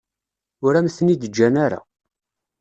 Ur am-ten-id-ǧǧan ara.